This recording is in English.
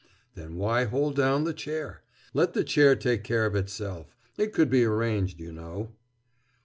"Then why hold down the chair? Let the chair take care of itself. It could be arranged, you know."